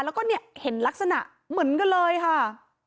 แล้วก็เนี่ยเห็นลักษณะเหมือนกันเลยค่ะ